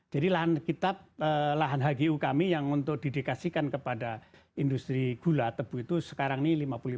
jadi lahan kita lahan hgu kami yang untuk didedikasikan kepada industri gula tebu itu sekarang ini lima puluh lima